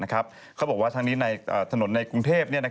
เขาบอกว่าทางนี้ในถนนในกรุงเทพ